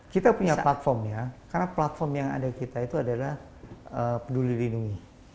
kita punya platform ya karena platform yang ada kita itu adalah peduli lindungi